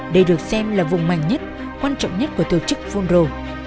để được xem là vùng mạnh nhất quan trọng nhất của tổ chức phunro